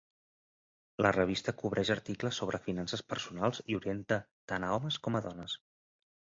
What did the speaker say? La revista cobreix articles sobre finances personals i orienta tant a homes com a dones.